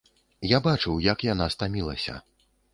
Я бачыў, як яна стамілася.